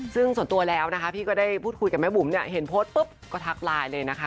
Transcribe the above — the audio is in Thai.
ซึ่งส่วนตัวแล้วนะคะพี่ก็ได้พูดคุยกับแม่บุ๋มเนี่ยเห็นโพสต์ปุ๊บก็ทักไลน์เลยนะคะ